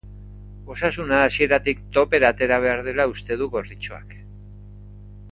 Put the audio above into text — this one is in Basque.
Osasuna hasieratik topera atera behar dela uste du gorritxoak.